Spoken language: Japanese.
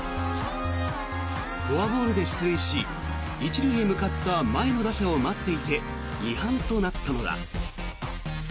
フォアボールで出塁し１塁へ向かった前の打者を待っていて違反となったのだ。